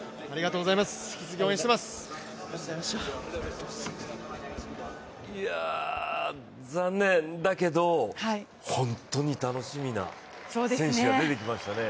いや、残念だけど、ホントに楽しみな選手が出てきましたね。